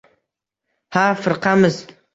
— Ha, firqamiz!